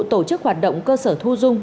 tổ chức hoạt động cơ sở thu dung